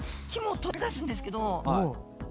肝を取り出すんですけど。